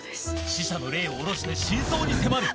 死者の霊を降ろして真相に迫る！